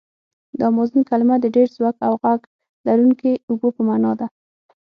د امازون کلمه د ډېر زوږ او غږ لرونکي اوبو په معنا ده.